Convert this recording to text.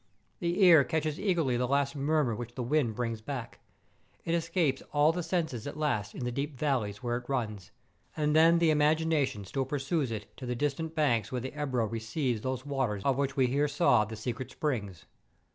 The ear catches eagerly the last murmur which the wind brings back. It escapes all the senses at last in the deep valleys where it runs ; and then the imagination still pursues it to the distant banks where the Ebro receives those waters of which we here saw the secret springs.